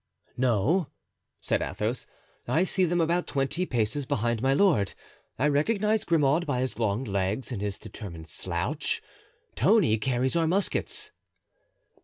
"No," said Athos. "I see them about twenty paces behind my lord. I recognize Grimaud by his long legs and his determined slouch. Tony carries our muskets."